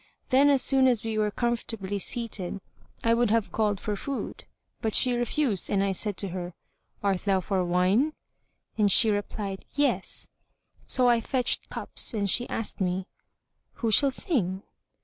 Then, as soon as we were comfortably seated, I would have called for food, but she refused and I said to her, "Art thou for wine?"; and she replied, "Yes." So I fetched cups and she asked me, "Who shall sing?"